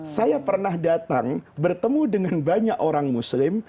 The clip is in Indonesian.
saya pernah datang bertemu dengan banyak orang muslim